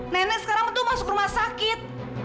nenek sekarang itu masuk rumah sakit